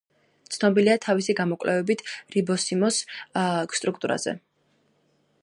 ცნობილია თავისი გამოკვლევებით რიბოსომის სტრუქტურაზე.